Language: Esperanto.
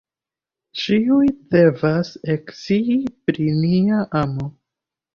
Ĉiuj devas ekscii pri nia amo.